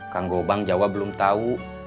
kang gobang jawa belum tahu